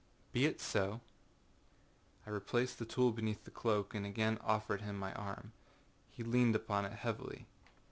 â âBe it so,â I said, replacing the tool beneath the cloak, and again offering him my arm. He leaned upon it heavily.